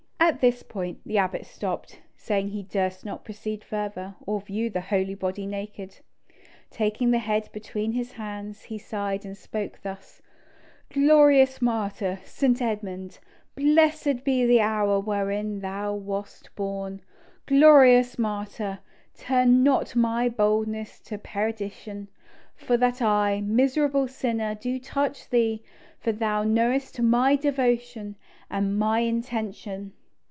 At this point the abbot stopped, saying he durst not proceed further, or view the holy body naked. Taking the head between his hands, he sighed and spoke thus: "Glorious martyr, St. Edmund, blessed be the hour wherein thou wast born! Glorious martyr, turn not my boldness to my perdition, for that I, miserable sinner, do touch thee, for thou knowest my devotion and my intention!"